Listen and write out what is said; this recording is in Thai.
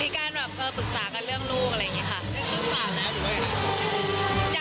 การแบบเออปรึกษากันเรื่องลูกอะไรอย่างนี้ค่ะ